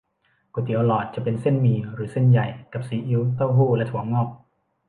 ก๋วยเตี๋ยวหลอด จะเป็นเส้นหมี่หรือเส้นใหญ่ กับซีอิ๊ว เต้าหู้ และถั่วงอก